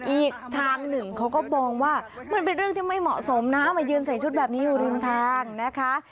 อีกทางหนึ่งเขาก็มองว่ามันเป็นเรื่องที่ไม่เหมาะสมนะมายืนใส่ชุดแบบนี้อยู่ริมทางนะคะ